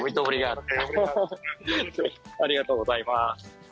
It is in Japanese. ありがとうございます。